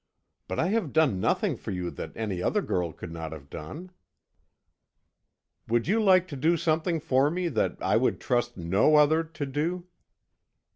But I have done nothing for you that any other girl could not have done." "Would you like to do something for me that I would trust no other to do?"